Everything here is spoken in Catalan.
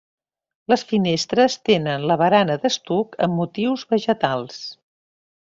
Les finestres tenen la barana d'estuc amb motius vegetals.